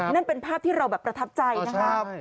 นั่นเป็นภาพที่เราแบบประทับใจนะคะ